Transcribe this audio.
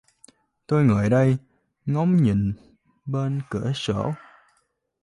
Tôi ngồi đây, ngóng nhìn bên cửa sổ